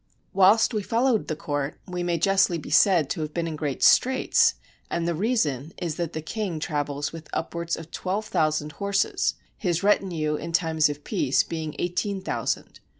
Whilst we followed the court, we may justly be said to have been in great straits, and the reason is that the king travels with upwards of twelve thousand horses, his retinue in time of peace being eighteen thousand.